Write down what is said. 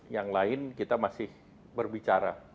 yang lain kita masih berbicara